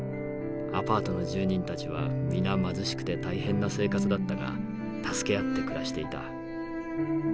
アパートの住人たちは皆貧しくて大変な生活だったが助け合って暮らしていた。